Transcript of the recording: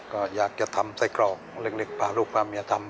ก็อยากจะทำไส้กรอกเล็กพาลูกพาเมียทำ